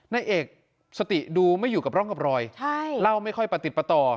นายเอกสติดูไม่อยู่กับร่องกับรอยเล่าไม่ค่อยประติดประต่อ